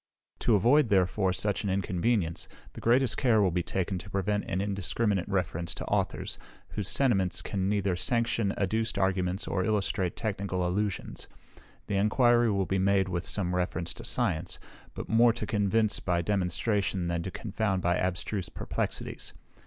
To avoid therefore such an inconvenience, the greatest care will be taken to prevent an indiscriminate reference to authors, whose sentiments can neither sanction adduced arguments or illustrate technical allusions. The enquiry will be made with some reference to science, but more to convince by demonstration than to confound by abstruse perplexities.